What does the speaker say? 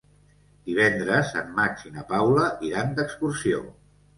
Divendres en Max i na Paula iran d'excursió.